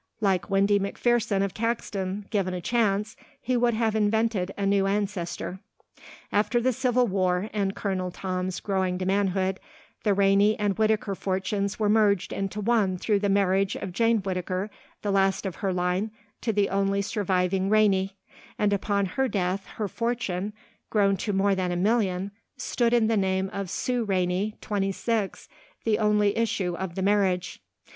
Like Windy McPherson of Caxton, given a chance, he would have invented a new ancestor. After the Civil War, and Colonel Tom's growing to manhood, the Rainey and Whittaker fortunes were merged into one through the marriage of Jane Whittaker, the last of her line, to the only surviving Rainey, and upon her death her fortune, grown to more than a million, stood in the name of Sue Rainey, twenty six, the only issue of the marriage.